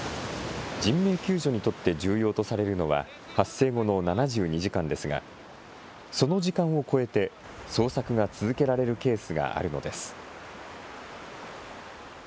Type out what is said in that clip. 人命救助にとって重要とされるのは、発生後の７２時間ですが、その時間を超えて、捜索が続けられるケースがあるのです。